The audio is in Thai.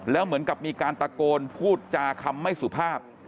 แล้วเหมือนกับมีการตะโกนพูดจาคำไม่สุภาพ